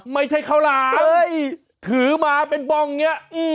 ไม่ใช่ข้าวหลามเฮ้ยถือมาเป็นป้องอย่างเงี้ยอืม